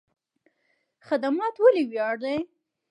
خدمت ولې ویاړ دی؟